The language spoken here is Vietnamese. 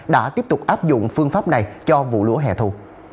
đã tiếp tục áp dụng phương pháp này cho vụ lúa hẻ thu